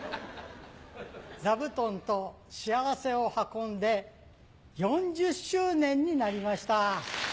座布団と幸せを運んで４０周年になりました。